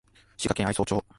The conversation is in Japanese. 滋賀県愛荘町